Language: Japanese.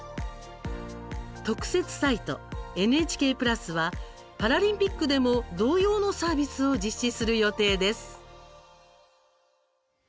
特設サイト、ＮＨＫプラスはパラリンピックでも同様のサービスを実施する予定です。